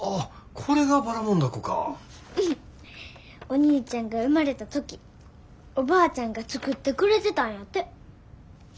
お兄ちゃんが生まれた時おばあちゃんが作ってくれてたんやて。